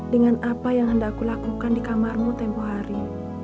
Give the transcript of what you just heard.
dengan apa yang hendak kulakukan di kamarmu tempoh hari